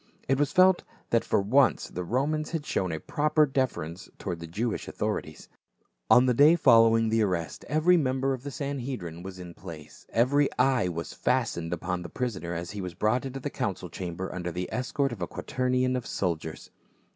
It was felt that for once the Romans had shown a proper deference toward the Jewish authorities. On the day following the arrest every member of the Sanhedrim was in his place ; every eye was fastened upon the prisoner, as he was brought into tlie council chamber under the escort of a quaternion of soldiers.